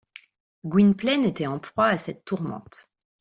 Gwynplaine était en proie à cette tourmente.